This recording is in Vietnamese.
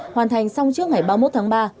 hoàn thành xong trước ngày ba mươi một tháng ba